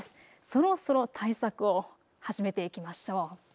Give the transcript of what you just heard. そろそろ対策を始めていきましょう。